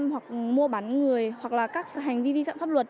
hoặc mua bán người hoặc là các hành vi vi phạm pháp luật